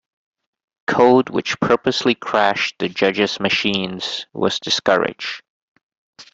Code which purposely crashed the judges' machines was discouraged.